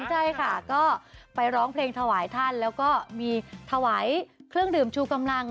ใช่ค่ะก็ไปร้องเพลงถวายท่านแล้วก็มีถวายเครื่องดื่มชูกำลัง